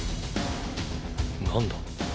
何だ？